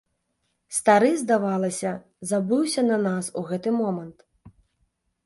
Стары, здавалася, забыўся на нас у гэты момант.